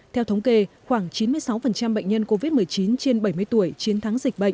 theo thống kê khoảng chín mươi sáu bệnh nhân covid một mươi chín trên bảy mươi tuổi chiến thắng dịch bệnh